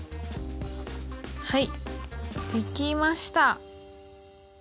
はいできました。